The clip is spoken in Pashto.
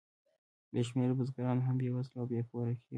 بې شمېره بزګران هم بېوزله او بې کوره کېږي